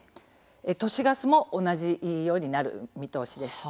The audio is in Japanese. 都市ガスも同じようになる見通しです。